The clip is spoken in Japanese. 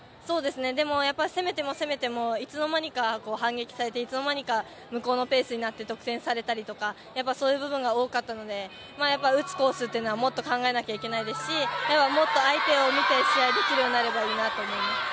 でも攻めても攻めてもいつの間にか反撃されて、いつの間にか向こうのペースになって得点されたりとか、そういう部分が多かったので、打つコースというのはもっと考えないといけないですし、もっと相手を理解できればいいなと思います。